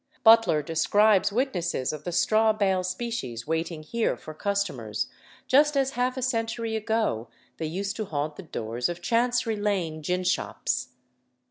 Butler describes witnesses of the straw bail species waiting here for customers, just as half a century ago they used to haunt the doors of Chancery Lane gin shops.